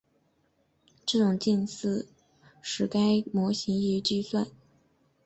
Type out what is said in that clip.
这种近似使该模型易于计算。